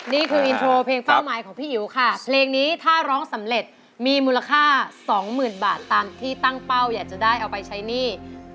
นี่คืออินโทรเพลงเป้าหมายของพี่อิ๋วค่ะเพลงนี้ถ้าร้องสำเร็จมีมูลค่าสองหมื่นบาทตามที่ตั้งเป้าอยากจะได้เอาไปใช้หนี้